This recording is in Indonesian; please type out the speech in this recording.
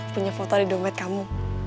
punya foto di dompet kamu